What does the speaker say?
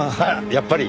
やっぱり！